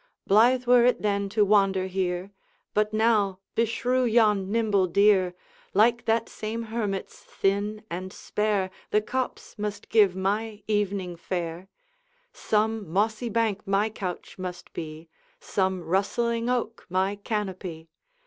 'Blithe were it then to wander here! But now beshrew yon nimble deer Like that same hermit's, thin and spare, The copse must give my evening fare; Some mossy bank my couch must be, Some rustling oak my canopy.